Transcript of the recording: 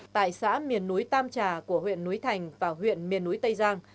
tại xã miền núi tam trà của huyện núi thành và huyện miền núi tây giang